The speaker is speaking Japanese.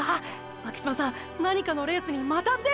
巻島さん何かのレースにまた出るんですか。